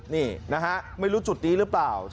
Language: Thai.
นี่นะฮะไม่รู้จุดนี้หรือเปล่า